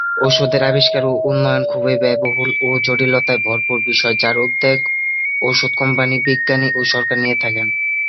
ঔষধের আবিষ্কার ও উন্নয়ন খুবই ব্যয়বহুল ও জটিলতায় ভরপুর বিষয় যার উদ্যোগ ঔষধ কোম্পানি, বিজ্ঞানী ও সরকার নিয়ে থাকেন।